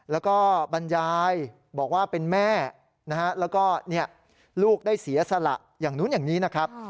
แล้วก็บรรยายบอกว่าเป็นแม่นะฮะแล้วก็ลูกได้เสียสละอย่างนู้นอย่างนี้นะครับ